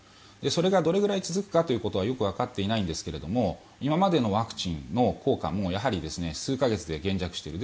それがどれくらい続くかということはよくわかっていないんですが今までのワクチンの効果もやはり数か月で減弱している。